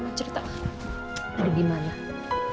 mbak siska kok dia masih ditanyain sama kiki